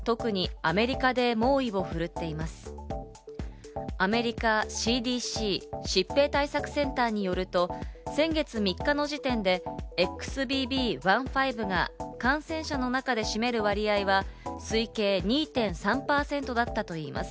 アメリカ、ＣＤＣ＝疾病対策センターによると、先月３日の時点でＸＢＢ．１．５が感染者の中で占める割合は、推計２．３％だったといいます。